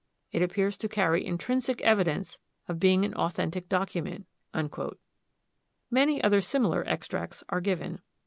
It appears to carry intrinsic evidence of being an authentic document." Many other similar extracts are given.